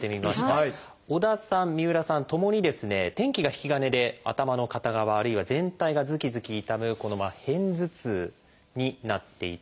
織田さん三浦さんともに天気が引き金で頭の片側あるいは全体がズキズキ痛むこの片頭痛になっていたんです。